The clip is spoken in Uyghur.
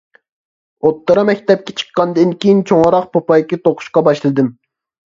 ئوتتۇرا مەكتەپكە چىققاندىن كېيىن كېيىن چوڭراق پوپايكا توقۇشقا باشلىدىم.